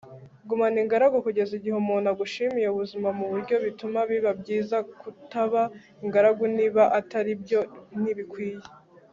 gumana ingaragu kugeza igihe umuntu agushimiye ubuzima muburyo bituma biba byiza kutaba ingaragu niba atari byo, ntibikwiye